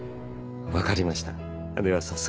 分かりましたでは早速。